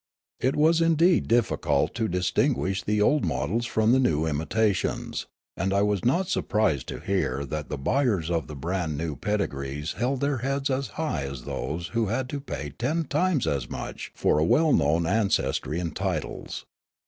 It was indeed difficult to distinguish the old models from the new imitations ; and I was not •surprised to hear that the buyers of the brand new ped igrees held their heads as high as those who had to pay ten times as much for a well known ancestr}' and titles.